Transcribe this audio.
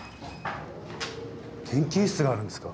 研究室があるんですか？